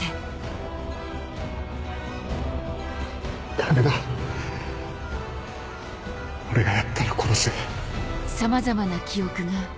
ダメだ俺がやったら殺す